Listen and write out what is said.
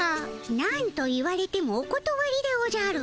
なんと言われてもおことわりでおじゃる。